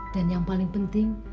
dan yang lebih penting